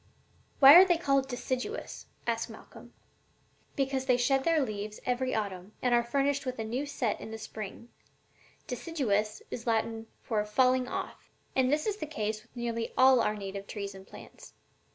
"And why are they called deciduous?" asked Malcolm. "Because they shed their leaves every autumn and are furnished with a new set in the spring: 'deciduous' is Latin for 'falling off.' And this is the case with nearly all our native trees and plants.